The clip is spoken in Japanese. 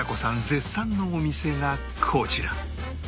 絶賛のお店がこちら